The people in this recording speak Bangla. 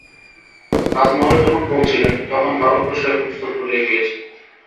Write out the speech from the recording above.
রাজমহলে যখন পৌঁছিলেন, তখন ভারতবর্ষে হুলস্থূল পড়িয়া গিয়াছে।